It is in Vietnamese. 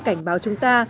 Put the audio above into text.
cảnh báo chúng ta